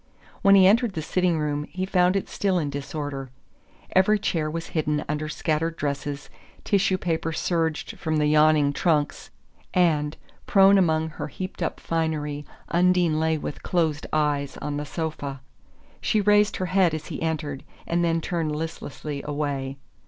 When he entered the sitting room, he found it still in disorder. Every chair was hidden under scattered dresses, tissue paper surged from the yawning trunks and, prone among her heaped up finery. Undine lay with closed eyes on the sofa. She raised her head as he entered, and then turned listlessly away.